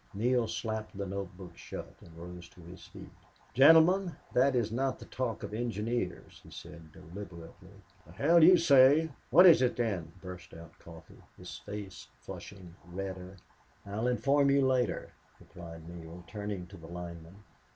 Neale slapped the note book shut and rose to his feet. "Gentlemen, that is not the talk of engineers," he said, deliberately. "The hell you say! What is it, then?" burst out Coffee, his face flushing redder. "I'll inform you later," replied Neale, turning to the lineman.